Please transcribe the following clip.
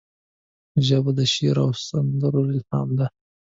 ژبه د شعر او سندرو الهام ده